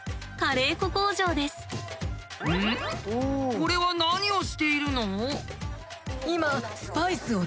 これは何をしているの？